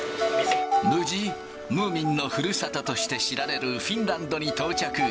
無事、ムーミンのふるさととして知られるフィンランドに到着。